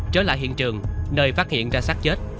trở lại hiện trường nơi phát hiện ra sát chết